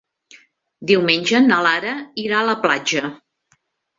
Diumenge na Lara irà a la platja.